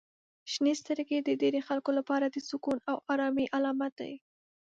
• شنې سترګې د ډیری خلکو لپاره د سکون او آرامۍ علامت دي.